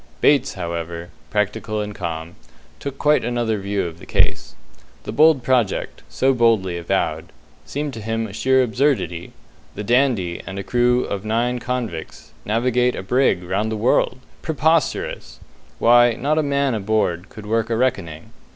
Bates, however practical and calm took quite another view of the case. The bold project, so boldly avowed, seemed to him a sheer absurdity. The "Dandy" and a crew of nine convicts navigate a brig round the world! Preposterous; why, not a man aboard could work a reckoning!